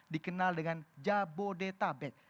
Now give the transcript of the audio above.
dikenal dengan jabodetabek